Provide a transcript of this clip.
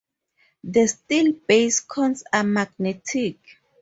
The steel base coins are magnetic.